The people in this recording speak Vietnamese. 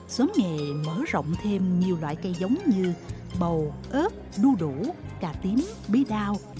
xóm nghề mở rộng thêm nhiều loại cây giống như bầu ớt đu đủ cà tím bí đao